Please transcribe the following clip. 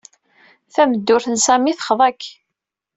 Tameddurt n Sami texḍa-k.